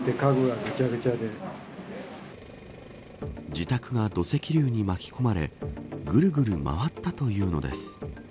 自宅が土石流に巻き込まれぐるぐる回ったというのです。